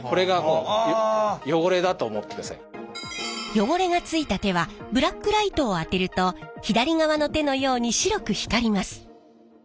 汚れがついた手はブラックライトを当てると左側の手のように白く光ります。